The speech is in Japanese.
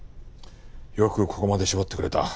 よくここまで絞ってくれた。